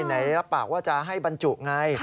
ไหนรับปากว่าจะให้บรรจุไง